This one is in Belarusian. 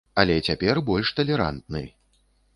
Але цяпер больш талерантны.